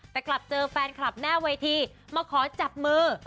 แต่กลับเจอแฟนคลับหน้าเวทีมาขอจับมือ